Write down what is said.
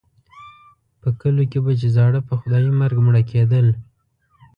په کلیو کې به چې زاړه په خدایي مرګ مړه کېدل.